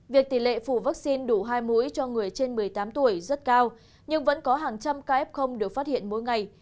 việc tỷ lệ phủ vaccine đủ hai mũi cho người trên một mươi tám tuổi rất cao nhưng vẫn có hàng trăm ca f được phát hiện mỗi ngày